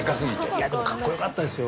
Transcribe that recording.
いやでもカッコよかったですよ。